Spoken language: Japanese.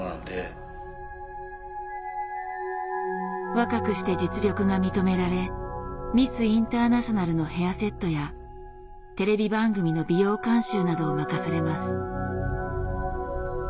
若くして実力が認められミスインターナショナルのヘアセットやテレビ番組の美容監修などを任されます。